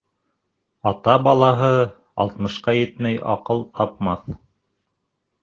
Ата балаһы алтмышҡа етмәй аҡыл тапмаҫ.